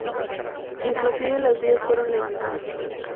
Inclusive las vías fueron levantadas.